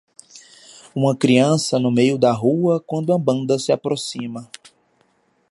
Uma criança no meio da rua quando uma banda se aproxima.